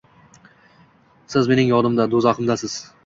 Siz mening yonimda – doʻzaximdasiz.